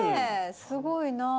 すごいなあ。